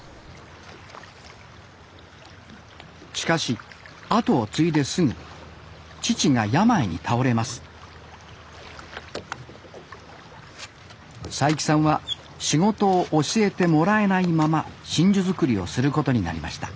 しかし後を継いですぐ父が病に倒れます齋木さんは仕事を教えてもらえないまま真珠作りをすることになりました